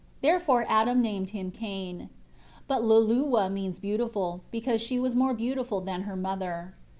Therefore Adam named him Cain. 8 But Luluwa means "beautiful," because she was more beautiful than her mother.